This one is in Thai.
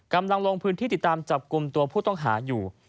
กำลังลงพื้นที่ติดตามจับกลุ่มตัวผู้ต้องหาอยู่